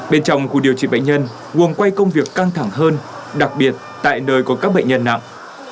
bên trong khu điều trị bệnh nhân uồng quay công việc căng thẳng hơn đặc biệt tại nơi có các bệnh nhân nặng